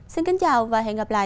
xin kính chào và hẹn gặp lại